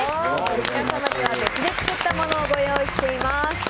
皆様には別で作ったものをご用意しております。